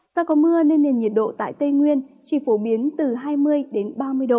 do có mưa nên nền nhiệt độ tại tây nguyên chỉ phổ biến từ hai mươi ba mươi độ